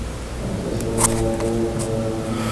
নাস্তার সময়ে মাতাল হওয়াটা ভাল নয়।